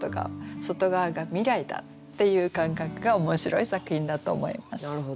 外側が未来だっていう感覚が面白い作品だと思います。